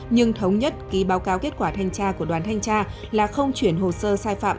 nhưng thống nhất ký báo cáo kết quả thanh tra của đoàn thanh tra là không chuyển hồ sơ sai phạm